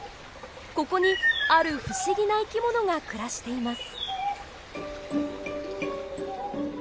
ここにある不思議な生き物が暮らしています。